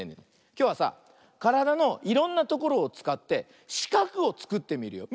きょうはさからだのいろんなところをつかってしかくをつくってみるよ。